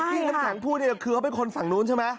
พี่นักฐานพูดเนี่ยคือเขาเป็นคนฝั่งนู้นใช่ไหม